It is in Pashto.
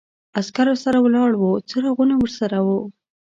عسکرو سره ولاړ و، څراغونه ورسره و.